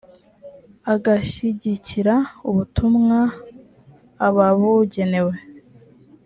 agashyigikira ubutumwa ababugenewe